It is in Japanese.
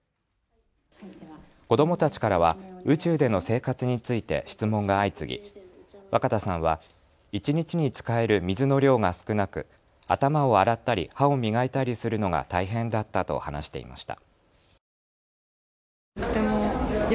子どもたちからは宇宙での生活について質問が相次ぎ、若田さんは一日に使える水の量が少なく頭を洗ったり歯を磨いたりするのが大変だったと話していました。